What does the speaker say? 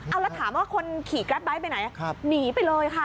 เอาแล้วถามว่าคนขี่แกรปไบท์ไปไหนหนีไปเลยค่ะ